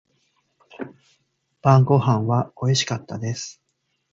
晩御飯は美味しかったです。